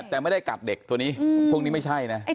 แต่ไม่ได้กัดเด็กตัวนี้พวกนี้ไม่ใช่นะ